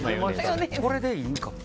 これでいいのかも。